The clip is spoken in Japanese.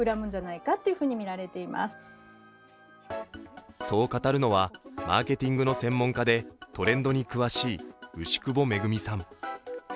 専門家はそう語るのは、マーケティングの専門家でトレンドに詳しい牛窪恵さん。